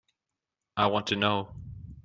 I want to know.